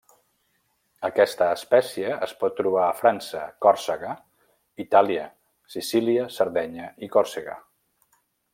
Aquesta espècie es pot trobar a França, Còrsega, Itàlia, Sicília, Sardenya i Còrsega.